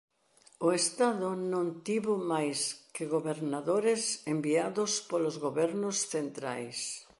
O Estado non tivo máis que gobernadores enviados polos gobernos centrais.